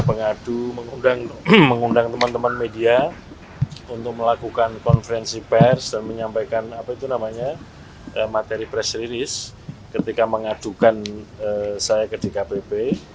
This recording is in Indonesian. saya mengundang teman teman media untuk melakukan konferensi pers dan menyampaikan materi pres rilis ketika mengadukan saya ke dkpp